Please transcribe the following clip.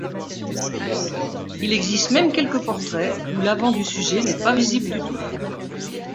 Il existe même quelques portraits où l'avant du sujet n'est pas visible du tout.